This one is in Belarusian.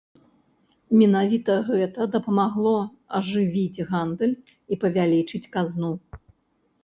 Менавіта гэта дапамагло ажывіць гандаль і павялічыць казну.